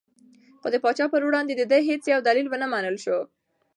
خو د پاچا په وړاندې د ده هېڅ یو دلیل ونه منل شو.